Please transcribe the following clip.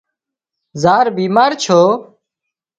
زار بيمار ڇو